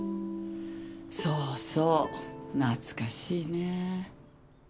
そうそう懐かしいねえ。